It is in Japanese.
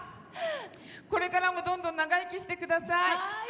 これからもどんどん長生きしてください。